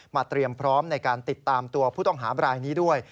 เตรียมพร้อมในการติดตามตัวผู้ต้องหาบรายนี้ด้วย